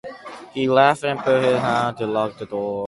He laughed, and put his hand to the locked door.